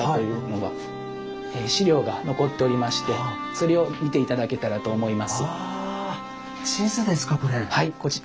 それを見て頂けたらと思います。